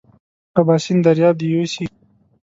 اباسین دریاب دې یوسي.